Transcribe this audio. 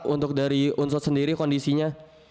untuk dari unsut sendiri kondisinya